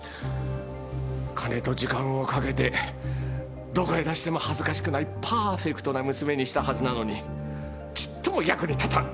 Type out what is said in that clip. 金と時間をかけてどこへ出しても恥ずかしくないパーフェクトな娘にしたはずなのにちっとも役に立たん。